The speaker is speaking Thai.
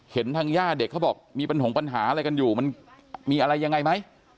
ทางย่าเด็กเขาบอกมีปัญหาอะไรกันอยู่มันมีอะไรยังไงไหม